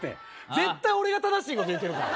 絶対俺が正しいこと言うてるから。